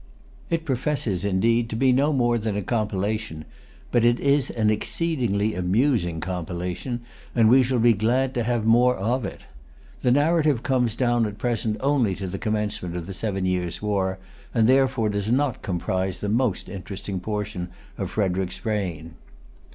It professes, indeed, to be no more than a compilation; but it is an exceedingly amusing compilation, and we shall be glad to have more of it. The narrative comes down at present only to the commencement of the Seven Years' War, and therefore does not comprise the most interesting portion of Frederic's reign.